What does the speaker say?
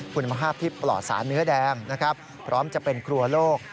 คุณภาพที่ปลอดสารเนื้อแดงนะครับพร้อมจะเป็นครัวโลก